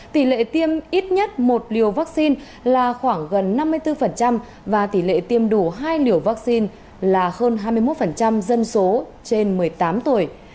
tỷ lệ tiêm ít nhất một liều vaccine là khoảng gần năm mươi bốn và tỷ lệ tiêm đủ hai liều vaccine là hơn hai mươi một dân số trên một mươi tám tuổi